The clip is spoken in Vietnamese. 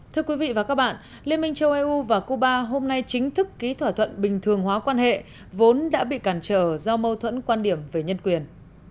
thưa quý vị và các bạn liên minh châu eu và cuba hôm nay chính thức ký thỏa thuận bình thường hóa quan hệ vốn đã bị cản trở do mâu thuẫn quan điểm về nhân quyền